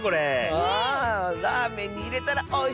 あラーメンにいれたらおいしそう！